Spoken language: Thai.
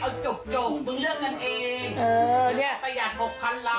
ก็จะหยัด๖๐๐๐๐๐๐บาทที่กูจะไปเสียตังค์